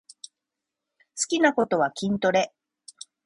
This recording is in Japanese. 好きなことは筋トレ